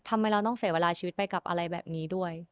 ทำไมเราต้องเสียเวลาชีวิตไปกับอะไรแบบนี้ด้วย